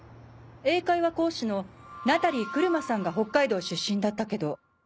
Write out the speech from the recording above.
英会話講師のナタリー来間さんが北海道出身だったけど。